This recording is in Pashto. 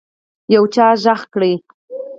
يو چا غږ کړ.